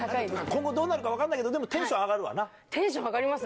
今後どうなるか分からないけど、でも、テンション上がります。